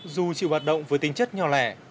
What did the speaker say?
dù chịu hoạt động với tính chất nhỏ lẻ